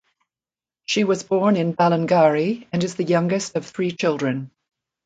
She was born in Ballingarry and is the youngest of three children.